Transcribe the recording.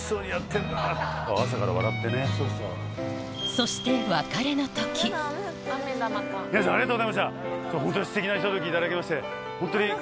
そして皆さんありがとうございました。